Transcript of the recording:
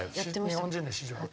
日本人で史上初。